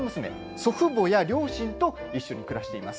祖父母や両親と暮らしています。